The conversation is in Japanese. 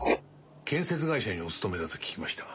建設会社にお勤めだと聞きましたが。